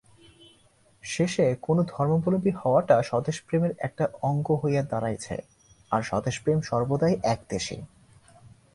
শেষে কোন ধর্মাবলম্বী হওয়াটা স্বদেশপ্রেমের একটা অঙ্গ হইয়া দাঁড়াইয়াছে, আর স্বদেশপ্রেম সর্বদাই একদেশী।